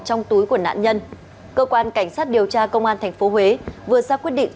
trong túi của nạn nhân cơ quan cảnh sát điều tra công an tp huế vừa ra quyết định